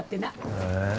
へえ。